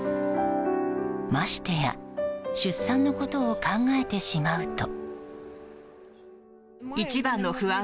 ましてや出産のことを考えてしまうと。